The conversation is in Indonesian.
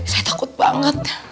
saya takut banget